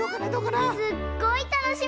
すっごいたのしみ！